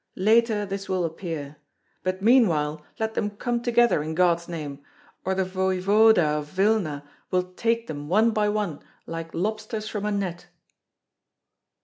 Later this will appear; but meanwhile let them come together, in God's name, or the voevoda of Vilna will take them one by one like lobsters from a net.'"